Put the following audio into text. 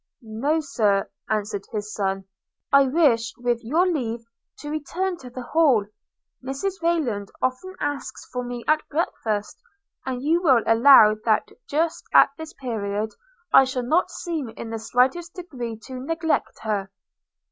'No, Sir,' answered his son; 'I wish with your leave to return to the Hall. – Mrs Rayland often asks for me at breakfast, and you will allow that just at this period I should not seem in the slightest degree to neglect her.'